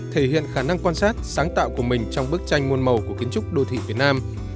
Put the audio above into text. thể hiện khả năng quan sát sáng tạo của mình trong bức tranh môn màu của kiến trúc đô thị việt nam